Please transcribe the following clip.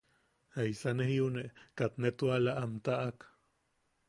Jaisa ne jiune... katne tuala am taʼak.